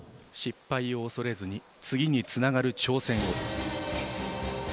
失敗を恐れずに次につながる挑戦を。